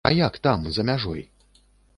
А як там, за мяжой?